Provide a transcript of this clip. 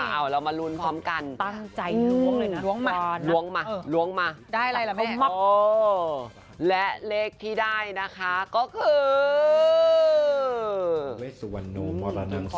เอาเรามารุนพร้อมกัน